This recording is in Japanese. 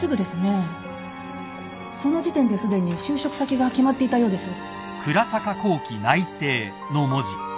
その時点ですでに就職先が決まっていたようです。